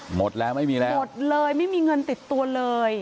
หมดแล้วไม่มีแล้วหมดเลยไม่มีเงินติดตัวเลย